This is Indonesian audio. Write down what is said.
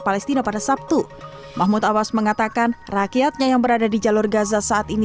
palestina pada sabtu mahmud abbas mengatakan rakyatnya yang berada di jalur gaza saat ini